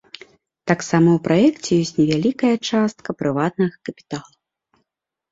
Таксама ў праекце ёсць невялікая частка прыватнага капіталу.